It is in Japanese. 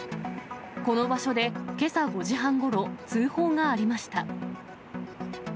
この場所でけさ５時半ごろ、通報がありました。